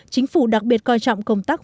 chính phủ đặc biệt coi trọng công tác